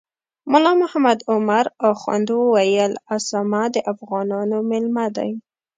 ملا محمد عمر اخند ویل اسامه د افغانانو میلمه دی.